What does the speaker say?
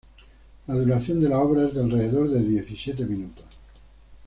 La duración de la obra es de alrededor de diecisiete minutos.